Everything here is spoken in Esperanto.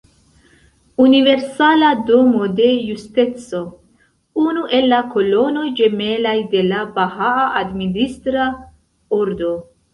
Universala Domo de Justeco: Unu el la kolonoj ĝemelaj de la Bahaa administra ordo.